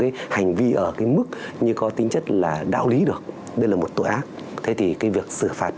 cái hành vi ở cái mức như có tính chất là đạo lý được đây là một tội ác thế thì cái việc xử phạt